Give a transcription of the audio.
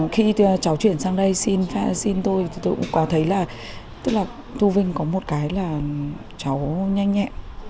khi cháu chuyển sang đây xin tôi tôi cũng có thấy là thu vinh có một cái là cháu nhanh nhẹ